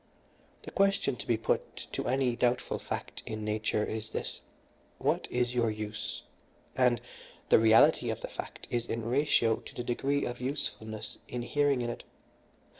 The question to be put to any doubtful fact in nature is this 'What is your use?' and the reality of the fact is in ratio to the degree of usefulness inhering in it.